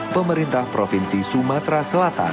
pemerintah provinsi sumatera selatan